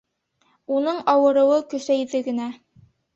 Уның ауырыуы көсәйҙе генә.